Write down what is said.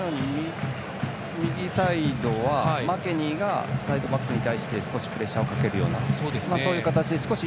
右サイドはマケニーがサイドバックに対して少しプレッシャーをかけるような形。